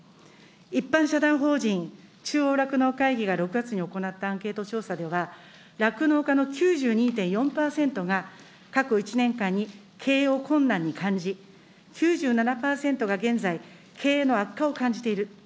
一般社団法人中央酪農会議が６月に行ったアンケート調査では、酪農家の９２．４％が、過去１年間に経営を困難に感じ、９７％が現在、経営の悪化を感じている。